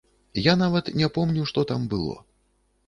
Я нават не помню, што там было.